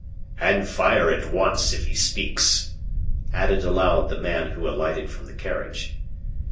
"And fire at once if he speaks!" added aloud the man who alighted from the carriage.